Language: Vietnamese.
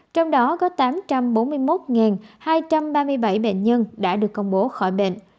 trong đó có tám trăm bốn mươi một hai trăm ba mươi bảy bệnh nhân đã được công bố khỏi bệnh